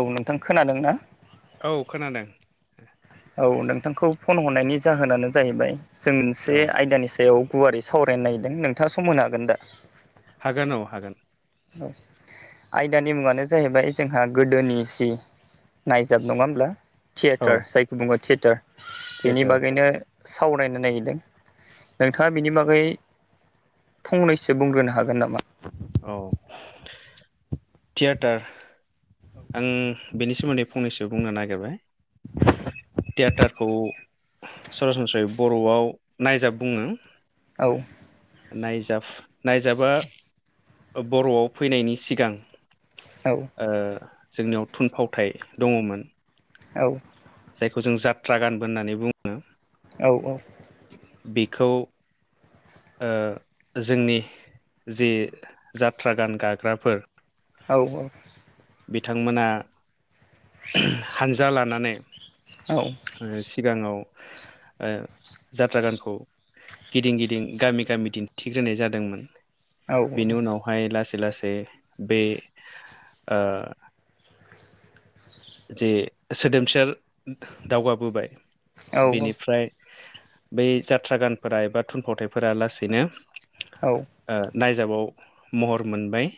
औ नोंथां खोनादों ना? औ खोनादों। औ नोंथांखौ फन हरनायनि जाहोनानो जाहैबाय जों औ मोनसे आयदानि सा बेयाव गुवारै सावरायनो नागिरदों नोंथाङा सम होनो हागोन दा? हागोन औ हागोन। औ आयदानि मुङानो जाहैबाय जोंहा गोदोनि सि नायजाब नंङा होमब्ला औ थियेटार जायखौ बुंङो थियेटार। बेनि थियेटार बागैनो सावरायनो नागिरदों। नोंथांङा बिनि बागै फंनैसो बुंग्रोनो हागोन नामा? औ। थियेटार आं बेनि सोमोन्दै फंनैसो बुंनो नागिरबाय। थियाेटारखौ सरासनस्रायै बर'आव नायजाब बुङो। औ। नायजाब नायजाबा बर'आव फैनायनि सिगां औ। ओ जोंनियाव थुनफावथाय दङमोन। औ। जायखौ जों जाथ्रा गानबो होननानै बुङो। औ औ। बेखौ ओ जोंनि जि जाथ्रा गान गाग्राफोर औ। बिथांमोना हानजा लानानै औ। सिगाङाव जात्रा गानखौ गिदिं गिदिं गामि गामि दिन्थिग्रोनाय जादोंमोन। औ बेनि उनावहाय लासै लासै बे ओ जे सोदोमस्रि दावगाबोबाय बेनिफ्राय बै जाथ्रा गानफोरा एबा थुनफावथायफोरा लासैनो औ। ओ नायजाबाव महर मोनबाय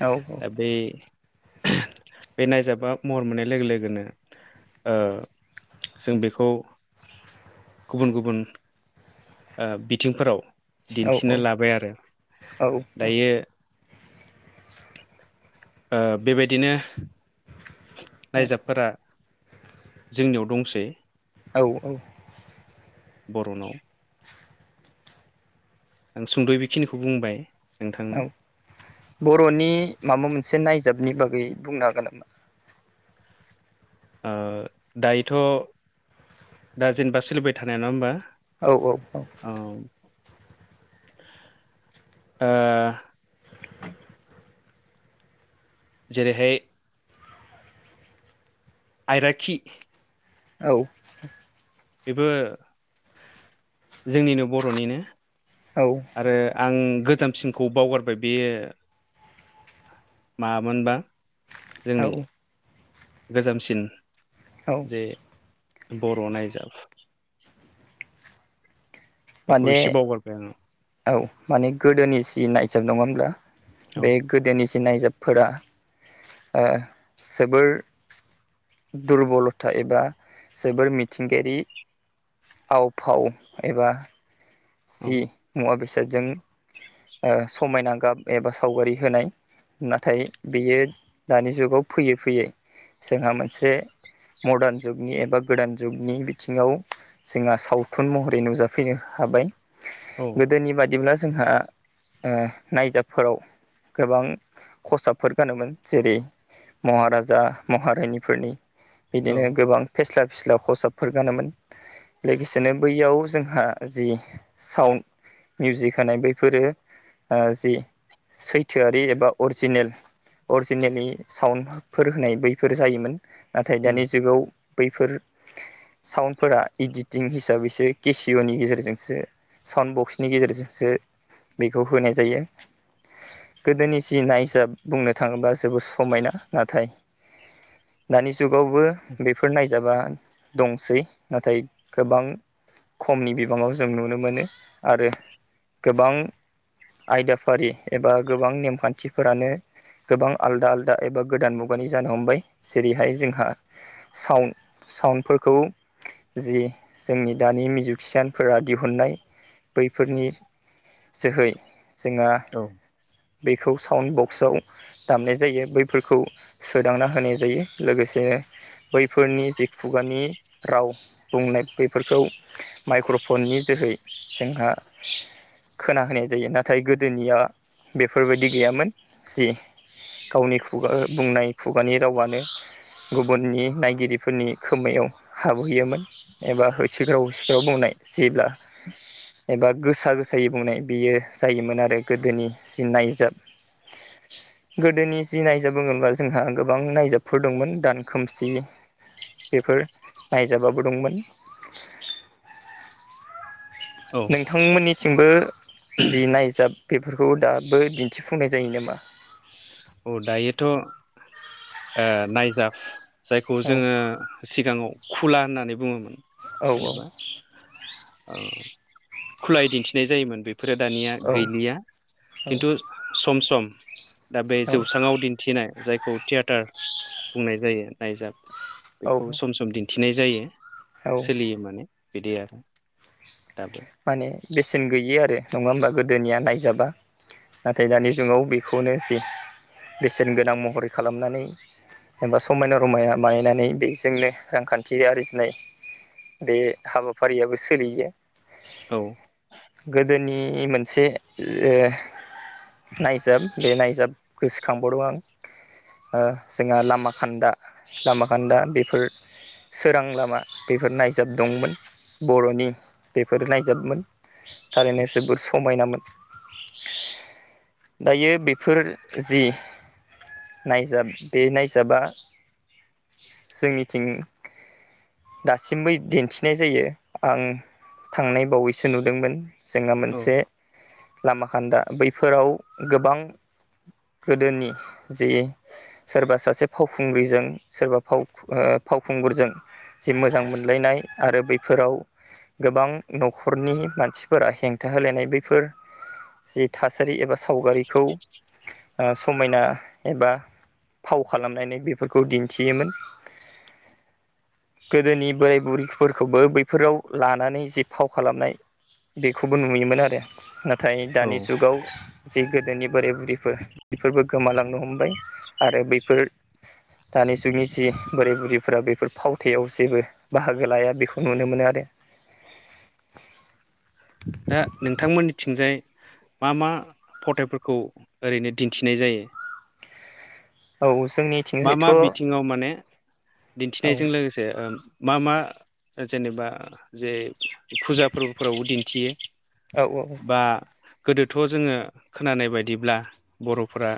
औ। दा बे-बे नायजाबा महर मोननाय लोगो लोगोनो ओ जों बेखौ गुबुन गुबुन ओ बिथिंफोराव। दिन्थिनो लाबाय आरो दायो। ओ बे बायदिनो नायजाबफोरा जोंनियाव दंसै। औ‌। बर'नाव आं सुंद' बेखिनिखौ बुंबाय। नोंथांनो औ बर'नि माबा मोनसे नायजाबनि बागै बुंनो हागोन नामा? दायोथ' दा जेनेबा सोलिबाय थानाया नङा होमबा? औ औ औ। औ ओ जेरैहाय आइराखि औ। बेबो जोंनिनो बर'निनो औ। आरो आं गोजामसिनखौ बावगारबाय बे माबामोनबा औ जोंनि गोजामसिन औ। जे बर' नायजाब बेखौ माने एसे बावगारबाय आङो औ माने गोदोनि सि नायसाब नङा होनोमब्ला औ बे गोदोनि जि नायजाबफोरा ओ जोबोर दुरबलथा एबा जोबोर मिथिंगायारि आव फाव एबा जि मुवा बेसादजों समायना गाब एबा सावगारि होनाय नाथाय बेयो दानि जुगाव फैयै फैयै जोंहा मोनसे मर्दान जुगनि एबा गोदान जुगनि बिथिङाव जोंहा सावथुन महरै नुजाफैनो हाबाय। औ गोदोनि बादिब्ला जोंहा ओ नायजाबफोराव गोबां खसाबफोर गानोमोन जेरै- महाराजा महारिनिफोरनि औ इदिनो गोबां फेस्ला फिस्ला फसाबफोर गानोमोन लोगोसेनो बैयाव जोंहा जि साउन्ड मिउजिक होनाय बैफोरो जि सैथोआरि एबा अरिजिनेल अरिजिनेलि साउन्डफोर होनाय बैफोर जायोमोन नाथाय उम दानि जुगाव बैफोर साउन्डफोरा इडिटिं हिसाबैसो केसियनि गेजेरजोंसो बाउन्ड बक्सनि गेजेरजोंसो बेखौ होनाय जायो। गोदोनि जि नायजाब बुंनो थाङोब्ला जोबोद समायना नाथाय दानि जुगावबो बेफोर नायजाबा दंसै नाथाय गोबां खमनि बिबाङाव जों नुनो मोन। मोनो आरो गोबां आयदाफारि एबा गोबां नेमखान्थिफोरानो गोबां आलदा आलदा एबा गोदान मुगानि जानो हमबाय जेरैहाय जोंहा साउन्द साउन्दफोरखौ जि जोंनि दानि मिउजिसियान फोर दिहुननाय बैफोरनि जोहै जोंहा औ। बेखौ साउन्ड बक्सआव दामनाय जायो बैफोरखौ सोदांना होनाय जायो लोगोसेनो बैफोरनि जि खुगानि राव बुंनाय बैफोरखौ माइक्रफननि जोहै जोंहा खोना होनोनाय जायो नाथाय गोदोनिया बेफोरबायदि गैयामोन जि गावनि खुगा बुंनाय खुगानि रावानो। गुबुननि नायगिरिफोरनि खोमायाव हाबहैयोमोन। एबा होस्रिख्राव होस्रिख्राव बुंनाय जेब्ला एबा गोसा गोसायै बुंनाय बेयो जायोमोन आरो गोदोनि जि नायजाब गोदोनि जि नायजाब बुङोनबा जोंहा गोबां नायजाबफोर दंमोन दानखोमसि बेफोर नायजाबाबो दंमोन। औ नोंथांमोननिथिंबो जि नायजाब बेफोरखौ दाबो दिन्थिफुंनाय जायो नामा? औ दायोथ' नायजाब। जायखौ औ जोङो सिगाङाव खुला होननानै बुङोमोन औ जेनेबा खुलाय दिन्थिनाय जायोमोन बे फोरो दानिया औ गैलिया खिन्थु सम सम दा बे औ जौस्राङाव दिन्थिनाय जायखौ थियेटार बुंनाय जायो नायजाब औ बेखौ औ सम सम दिन्थिनाय जायो औ सोलियो माने बिदि आरो [unintelligible] माने बेसेन गैयि आरो नङा होमबा गोदोनिया नायजाबा। नाथाय दानि जुगाव बेखौनो जे बेसेन गोनां महरै खालामनानै एबा समायना रमायना बानायनानै बेजोंनो रांखान्थि आरजिनाय बे हाबाफारियाबो सोलिनो औ गोदोनि मोनसे ओ नायजाब बे नायजाब गोसोखांबावदों आं ओ जोंहा लामा खान्दा लामा खान्दा बेफोर सोरां लामा बेफोर नायजाब दंमोन बर'नि बेफोर नायजाबोमोन थारैनो जोबोर समायनामोन। दायो बेफोर जि नायजाब बे नायजाबा जोंनिथिं दासिमबो दिन्थिनाय जायो आं थांनाय बावैसो नुदोंमोन जोंना औ मोनसे लामा खान्दा बैफोराव गोबां गोदोनि जे सोरबा सासे फावखुंग्रिजों सोरबा फावखुंगुरजों जि मोजां मोनलायनाय आरो बैफोराव गोबां न'खरनि मानसिफोरा हेंथा होलायनाय बैफोर जि थासारि एबा सावगारिखौ ओ समायना एबा फाव खालामनानै बेफोरखौ दिन्थियोमोन। गोदोनि बोराय बुरैफोरखौबो बैफोराव लानानै जि फाव खालामनाय बेखौबो नुयोमोन आरो। नाथाय औ दानि जुगाव जि गोदोनि बोराय बुरैफोर बेफोरबो गोमालांनो हमबाय आरो बैफोर दानि जुगनि जि बोराय बुरैफोरा बेफोर फावथायाव जेबो बाहागो लाया बेखौ नुनो मोनो आरो। दा नोंथांमोननिथिंजाय मा मा फथाइफोरखौ ओरैनो दिन्थिनाय जायो। औ मा मा जोंनिथिंजायथ' बिथिङाव माने दिन्थिनायजों लोगोसे जे मा मा जेनेबा जे फुजा फोरबोफोरावबो बिदि औ औ। बा गोदोथ' जोङो खोनानाय बायदिब्ला बर'फोरा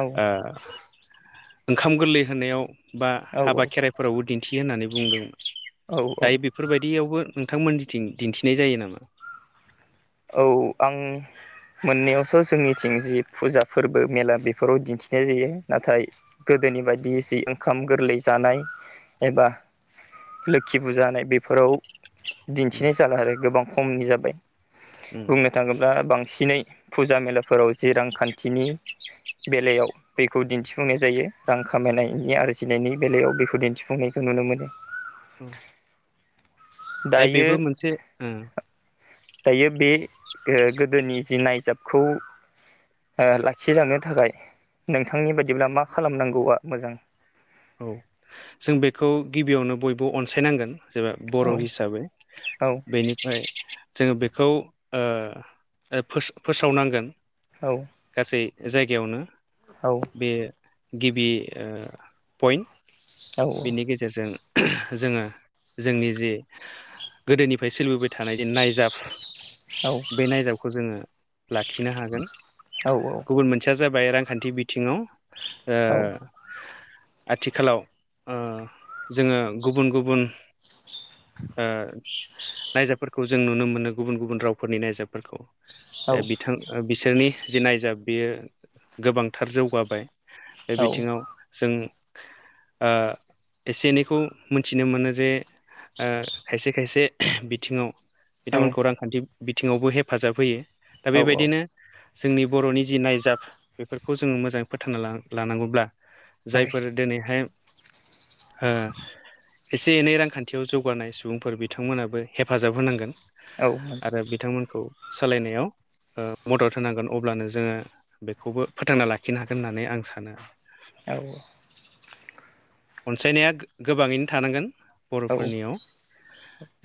औ ओंखाम गोरलै होनायाव बा हाबा, औ खेराइ फोरावबो दिन्थियो होननानै बुंदोंमोन औ दायो बे बेफोरबायदियावबो नोंथांमोननिथिं दिन्थिनाय जायो नामा। औ आं मोननैयावथ' जोंनिथिं जि फुजा फोरबो मेला बेफोराव दिन्थिनाय जायो नाथायो गोदोनि बायदि एसे ओंखाम गोरलै जानाय एबा ओ लोखि बुजानाय बेफोराव उम दिन्थिनाय जाला आरो गोबां खमनि जाबाय उम बुंनो ओम थाङोब्ला बांसिनै फुजा मेलाफोराव जि रांखान्थिनि बेलायाव बेखौ दिन्थिफुंनाय जायो रां खामायनायनि आरजिनायनि बेलायाव बेखौ दिन्थिफुंनायखौ नुनो मोनो। औ। दा दायो बेबो मोनसे दायो बे गोदोनि जि नायजाबखौ ओ लाखिजानो थाखाय नोंथांनि बायदिब्ला मा खालामनांगौआ मोजां। औ जों बेखौ गिबियावनो बयबो अनसायनांगोन। जेबा बर' औ हिसाबै। औ बेनि ओफ्राय जोङो बेखौ ओ फोसावनांगोन। औ गासै जायगायावनो। औ बे गिबि ओ पइन्ट बेनि गेजेराव गेजेरजों जोङो जोंनि जि गोदोनिफ्राय सोलिबोबाय थानाय जे नायजाब औ बे नायजाबखौ जोङो लाखिनो हागोन। औ औ गुबुन मोनसेया जाबाय रांखान्थि बिथिंङाव ओ औ आथिखालाव ओ जोंङो गुबुन गुबुन ओ नायजाबफोरखौ जों नुनो मोनो गुबुन गुबुन रावफोरनि नायजाबफोरखौ। औ बिथां बिसोरनि जि नायजाब बियो गोबांथार जौगाबाय। बे औ बिथिंङाव जों ओ एसे एनैखौ मिथिनो मोनो जे ओ खायसे खायसे बिथिङाव बिथांमोनखौ नंगौ रांखान्थि बिथिंङावबो हेफाजाब होयो दा औ बेबायदिनो जोंनि बर'नि जि नायजाब बेफोरखौ जोंङो मोजाङै फोथांना लानांगौब्ला औ फोर दिनैहाय ओ एसे एनै रांखान्थियाव जौगानाय सुबुंफोर बिथांमोनाबो हेफाजाब होनांगोन औ आरो बिथांमोनखौ सालायनायाव ओ मदद होनांगोन अब्लानो जोङो बेखौबो फोथांना लाखिनो हागोन होननानै आं सानो। औ अनसायनाया गोबाङैनो थानांगोन बर'फोरनियाव।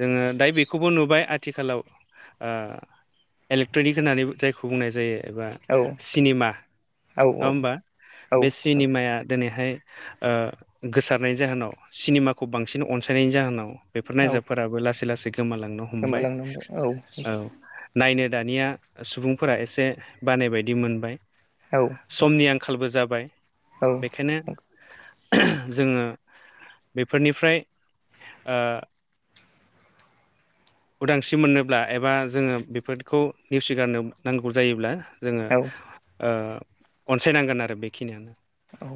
जोंङो दायो बेखौबो नुबाय आथिखालाव ओ इलेक्ट्र'निक होननानै जायखौ बुंनाय जायो एबा सिनेमा नंङा औ होनबा औ बे सिनेमाया दिनैहाय ओ गोसारनायनि जाहोनाव सिनेमाखौ बांसिन अनसायनायनि जाहोनाव बेफोर औ नायजाबफोर लासै लासै गोमालांनो हमबाय औ। नायनो दानिया सुबुंफोरा एसे बानाय बायदि मोनबाय। औ समनि आंखालबो जाबाय बेखायनो जोंङो बेफोरनिफ्राय ओ उदांस्रि मोननोब्ला एबा जोङो बेफोरखौ नेवसिगारनो नांगौ जायोब्ला जोंङो औ ओ अनसायनांगोन आरो बेखिनियानो। औ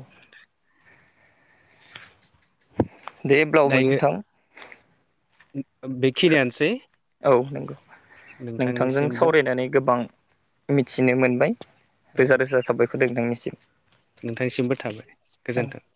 दायो [unintelligible] बेखिनियानोसै। औ नंगौ। नोंथांजों नोंथांनिसिमबो सावरायनानै गोबां मिथिनो मोनबाय औ रोजा रोजा साबाय खर नोंनिसिम। नोंथांनिसिमबो थाबाय गोजोन्थों।